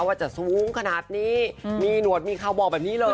ว่าจะสูงขนาดนี้มีหนวดมีเขาบอกแบบนี้เลย